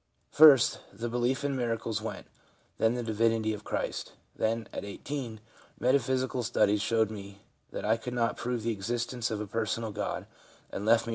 First the belief in miracles went, then the divinity of Christ ; then, at 18, metaphysical studies showed me that I could not prove the existence of a personal God, and left me.